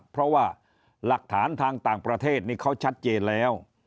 เพราะว่าหลักฐานทางต่างประเทศนี้เขาชัดเจนแล้ว